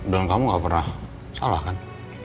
dan kamu gak pernah salah kan